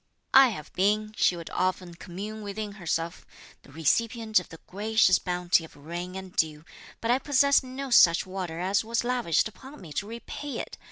"I have been," she would often commune within herself, "the recipient of the gracious bounty of rain and dew, but I possess no such water as was lavished upon me to repay it!